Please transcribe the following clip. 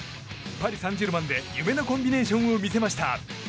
パリ・サンジェルマンで夢のコンビネーションを見せました。